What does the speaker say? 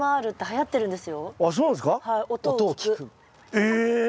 え！